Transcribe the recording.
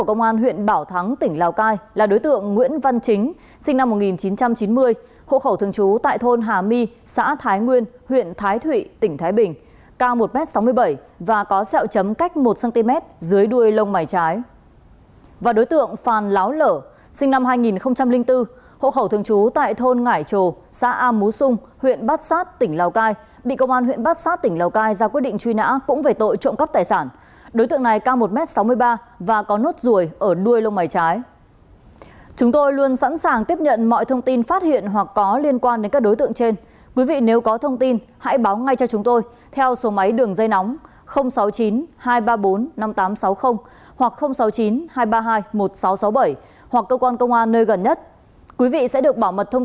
công an huyện bình gia tỉnh lãng sơn đã ra quyết định truy nã đối với đối tượng lộc văn toàn sinh năm một nghìn chín trăm chín mươi hai hộ khẩu thường trú tại thôn tiền phong xã đức lương huyện đại từ tỉnh thái nguyên về tội trộm cấp tài sản